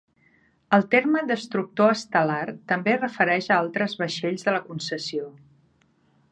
El terme "Destructor estel·lar" també es refereix a altres vaixells de la concessió.